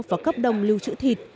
và cấp đồng lưu trữ thịt